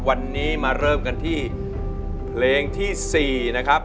วันนี้มาเริ่มกันที่เพลงที่๔นะครับ